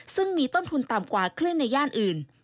ซึ่งมีต้นทุนต่ำกว่าคลื่นในย่านอื่น